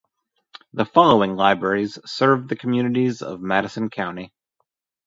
The following libraries serve the communities of Madison County.